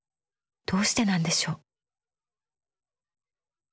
どうしてなんでしょう？